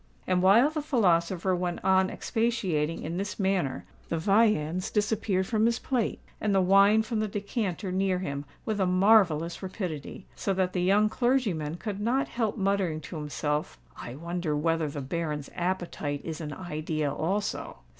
And while the philosopher went on expatiating in this manner, the viands disappeared from his plate and the wine from the decanter near him with a marvellous rapidity; so that the young clergyman could not help muttering to himself, "I wonder whether the Baron's appetite is an idea also."